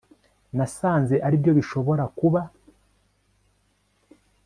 nasanze aribyo bishobora kuba